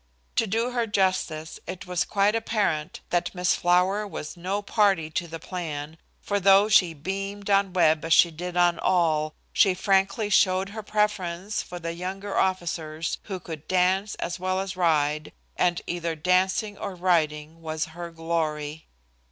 To do her justice, it was quite apparent that Miss Flower was no party to the plan, for, though she beamed on Webb as she did on all, she frankly showed her preference for the younger officers who could dance as well as ride, and either dancing or riding was her glory.